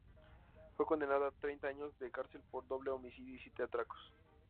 Fue condenado a treinta años de cárcel por doble homicidio y siete atracos.